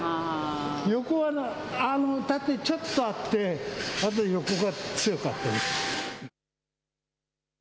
横は、縦がちょっとあって、あと横が強かったです。